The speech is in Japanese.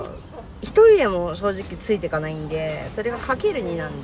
１人でも正直ついていかないんでそれが掛ける２なんで。